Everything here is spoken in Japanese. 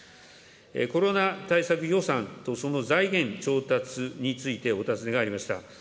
コロナ対策予算とその財源調達についてお尋ねがありました。